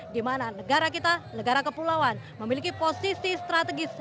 di mana negara kita negara kepulauan memiliki posisi strategis